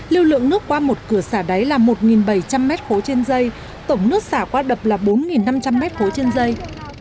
lưu lượng nước qua một cửa xả đáy là một bảy trăm linh m ba trên dây tổng nước xả qua đập là bốn năm trăm linh m ba trên dây